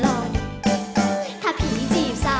แล้วใส่พี่ใส่ไม่มาเอาใจ